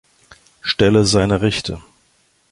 Stelle seine Rechte.